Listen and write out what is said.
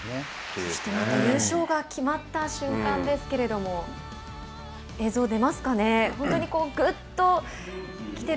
そしてなんと優勝が決まった瞬間ですけれども映像出ますかね。